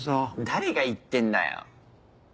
誰が言ってんだよ。